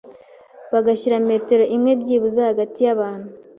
bagashyira metero imwe byibuze hagati y’abantu.